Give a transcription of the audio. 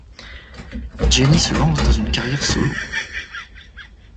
Jenny se lance dans une carrière solo.